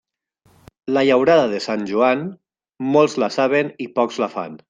La llaurada de Sant Joan, molts la saben i pocs la fan.